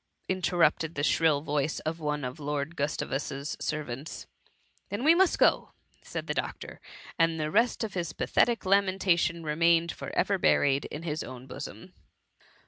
interrupted the shrill voice of one of Lord Gustavus's servants. I 5 178 THE MUMMY. " Then we must go !^ said the doctor ; and the rest of his pathetic lamentation remained for ever buried in his own bosom.